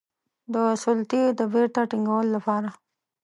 د سلطې د بیرته ټینګولو لپاره.